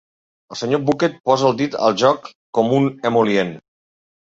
El Sr. Bucket posa el dit al joc com un emol·lient.